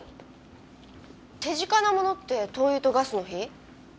手近な物って灯油とガスの火？